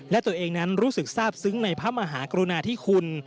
และตัวเองนั้นรู้สึกทราบซึ้งในพระมหากรุณาธิคุณ